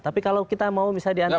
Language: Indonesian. tapi kalau kita mau misalnya diantara